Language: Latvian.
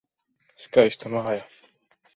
Skaista māja.